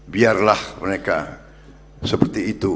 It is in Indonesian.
biarlah mereka seperti itu